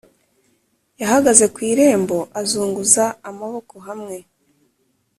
yahagaze ku irembo, azunguza amaboko hamwe